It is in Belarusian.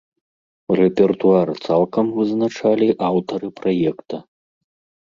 Рэпертуар цалкам вызначалі аўтары праекта.